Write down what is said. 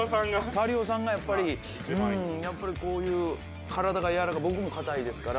サリオさんがやっぱりやっぱりこういう体が柔らかい僕も硬いですから。